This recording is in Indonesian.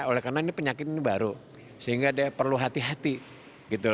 oleh karena ini penyakit ini baru sehingga dia perlu hati hati gitu